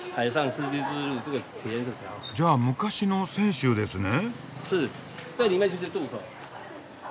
じゃあ昔の泉州ですね？